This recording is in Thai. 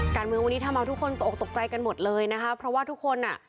การเมืองวันนี้ทำเอาทุกคนตกตกใจกันหมดเลยนะคะเพราะว่าทุกคนอ่ะ